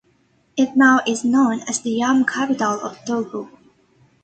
It now is known as the yam capital of Togo.